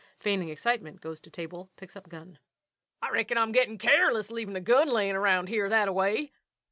Feigning excitement, goes to table, picks up gun._ LUKE. I reckon I'm gettin' careless, leavin' a gun layin' around here that a way.